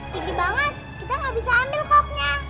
tinggi banget kita gak bisa ambil koknya